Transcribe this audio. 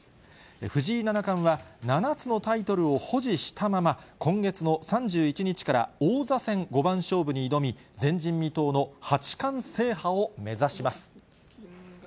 藤井七冠は、７つのタイトルを保持したまま、今月の３１日から王座戦五番勝負に挑み、前人未到の八冠制覇を目指します。